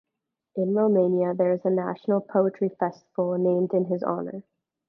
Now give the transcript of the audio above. In Romania, there is a national poetry festival named in his honor.